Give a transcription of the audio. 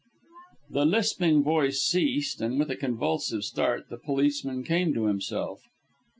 '" The lisping voice ceased, and, with a convulsive start, the policeman came to himself.